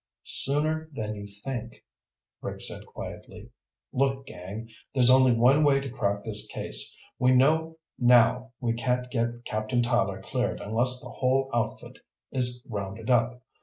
"Sooner than you think," Rick said quietly. "Look, gang. There's only one way to crack this case. We know now we can't get Captain Tyler cleared unless the whole outfit is rounded up.